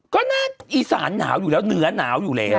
ก็น่าอีสานหนาวอยู่แล้วเหนือหนาวอยู่แล้ว